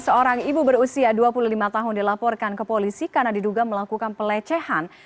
seorang ibu berusia dua puluh lima tahun dilaporkan ke polisi karena diduga melakukan pelecehan